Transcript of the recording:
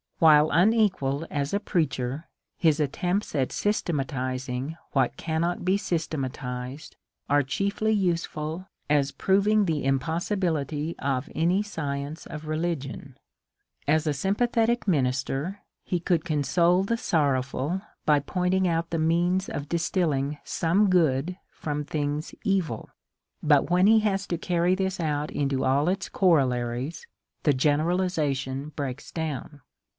While unequalled as a preacher, his attempts at systematizing what cannot be systematized are chiefly useful as proving the impossibility of any science of religion. As a sympathetic minister he could console the sorrowful by pointing out the means of distilling some good from things evil ; but when he has to carry this out into all its corollaries, the generalization breaks down.